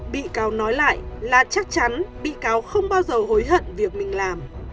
bị cáo nói lại là chắc chắn bị cáo không bao giờ hối hận việc mình làm